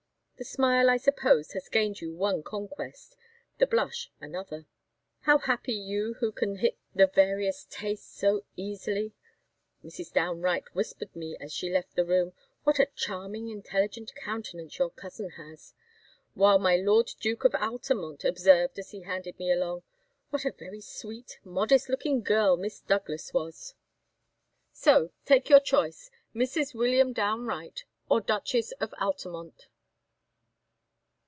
The smile I suppose has gained you one conquest the blush another. How happy you who can hit the various tastes so easily! Mrs. Downe Wright whispered me as she left the room, 'What a charming intelligent countenance your cousin has!' While my Lord Duke of Altamont observed, as he handed me along, 'What a very sweet modest looking girl Miss Douglas was! 'So take your choice Mrs. William Downe Wright, or Duchess of Altamont!"